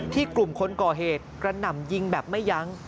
กลุ่มคนก่อเหตุกระหน่ำยิงแบบไม่ยั้ง